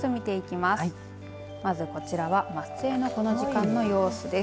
まず、こちらは松江のこの時間の様子です。